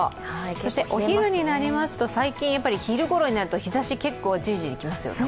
そしてお昼になりますと最近昼頃になると日差し、じりじりときますよね。